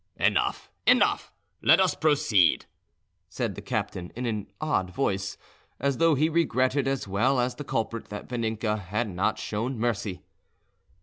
"Enough, enough; let us proceed," said the captain in an odd voice, as though he regretted as well as the culprit that Vaninka had not shown mercy.